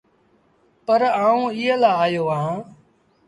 پر آئوٚنٚ ايٚئي لآ آيو اهآنٚ